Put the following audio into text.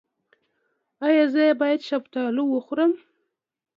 ایا زه باید شفتالو وخورم؟